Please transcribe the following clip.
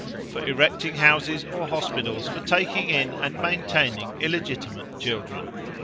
For erecting houses or hospitals for taking in and maintaining illegitimate children.